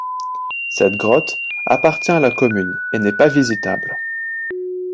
Cette grotte appartient à la commune et n'est pas visitable.